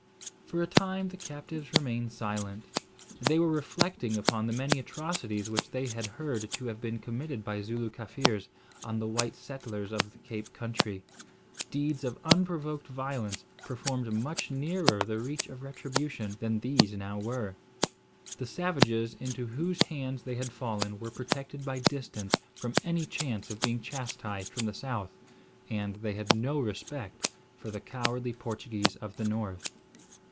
For a time, the captives remained silent. They were reflecting upon the many atrocities which they had heard to have been committed by Zooloo Kaffirs on the white settlers of the Cape country, deeds of unprovoked violence performed much nearer the reach of retribution than these now were. The savages into whose hands they had fallen were protected by distance from any chance of being chastised from the south; and they had no respect for the cowardly Portuguese of the north.